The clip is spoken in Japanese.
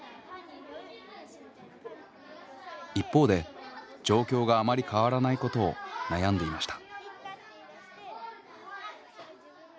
一方で状況があまり変わらないことを悩んでいました。